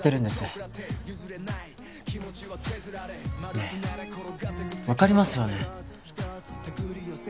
ねえわかりますよね？